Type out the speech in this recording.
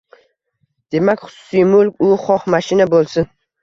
Demak, xususiy mulk – u xoh mashina bo‘lsin